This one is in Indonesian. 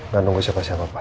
nggak nunggu siapa siapa pak